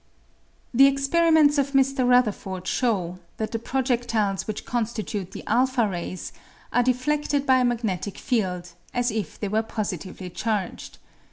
The experiments of Mr. Rutherford show that the pro jediles which constitute the a rays are defleded by a magnetic field, as if they were positively charged.